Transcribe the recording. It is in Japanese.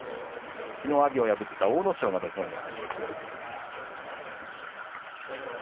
きのう阿炎を破った阿武咲が土俵に上がりました。